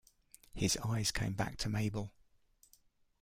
His eyes came back to Mabel.